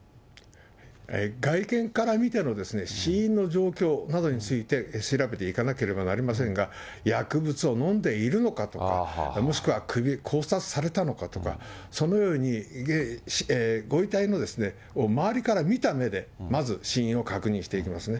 外見から見ての死因の状況などについて調べていかなければなりませんが、薬物を飲んでいるのかとか、もしくは首、絞殺されたのかとか、そのようにご遺体の周りから見た目で、まず死因を確認していきますね。